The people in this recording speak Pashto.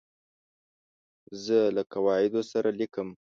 زه له قواعدو سره لیکم.